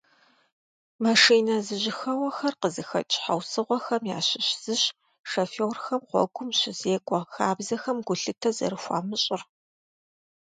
Машинэ зэжьыхэуэхэр къызыхэкӏ щхьэусыгъуэхэм ящыщ зыщ шоферхэм гъуэгум щызекӏуэ хабзэхэм гулъытэ зэрыхуамыщӏыр.